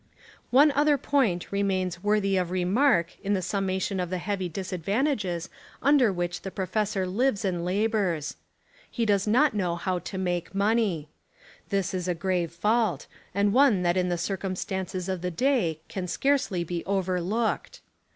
One other point remains worthy of remark in the summation of the heavy disadvantages under which the professor lives and labours. 31 Essays and Literary Studies He does not know how to make money. This is a grave fault, and one that in the circum stances of the day can scarcely be overlooked.